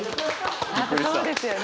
そうですよね。